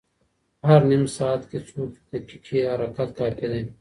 هر نیم ساعت کې څو دقیقې حرکت کافي دی.